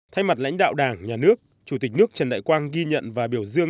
thay mặt lãnh đạo đảng nhà nước chủ tịch nước trần đại quang ghi nhận và biểu dương